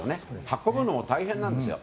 運ぶのも大変なんですよ。